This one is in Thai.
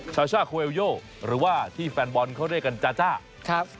ชาช่าโคเอลโยหรือว่าที่แฟนบอลเขาเรียกกันจาจ้าครับ